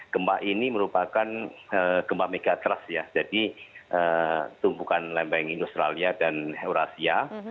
gempa ini merupakan gempa megatrust ya jadi tumpukan lembeng australia dan eurasia